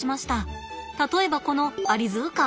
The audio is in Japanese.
例えばこの「アリヅカ」。